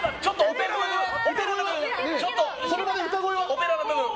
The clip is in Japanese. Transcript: オペラの部分を。